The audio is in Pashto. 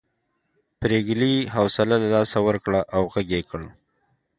پريګلې حوصله له لاسه ورکړه او غږ یې کړ